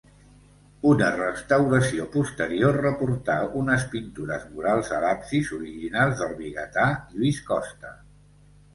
Una restauració posterior reportà unes pintures murals a l'absis, originals del vigatà Lluís costa.